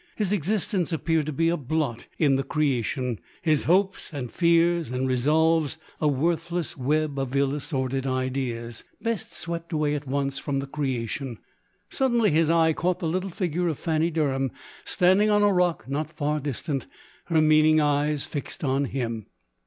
His existence appeared to be a blot in the creation ; his hopes, and fears, and resolves, a worthless web of ill assorted ideas, LODORE. 231 best swept away at once from the creation. Suddenly his eye caught the little figure of Fanny Derham, standing on a rock not far distant, her meaning eyes fixed on him.